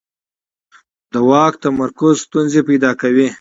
د واک تمرکز ستونزې پیدا کوي